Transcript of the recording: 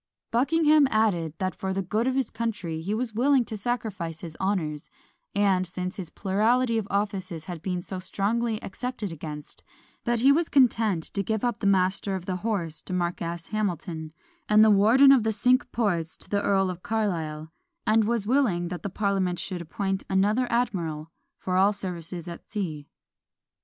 " Buckingham added, that for the good of his country he was willing to sacrifice his honours; and since his plurality of offices had been so strongly excepted against, that he was content to give up the Master of the Horse to Marquess Hamilton, and the Warden of the Cinque Ports to the Earl of Carlisle; and was willing that the parliament should appoint another admiral for all services at sea.